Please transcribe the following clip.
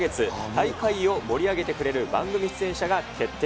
大会を盛り上げてくれる番組出演者が決定。